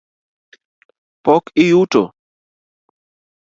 Pok iyuto?